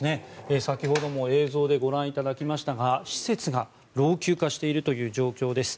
先ほども映像でご覧いただきましたが施設が老朽化している状況です。